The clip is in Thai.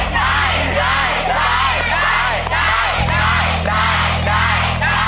ได้ได้ได้